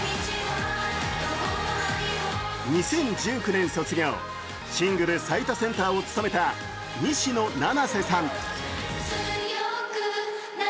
２０１９年卒業、シングル最多センターを務めた西野七瀬さん。